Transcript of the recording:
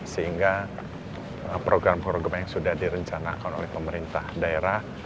sehingga program program yang sudah direncanakan oleh pemerintah daerah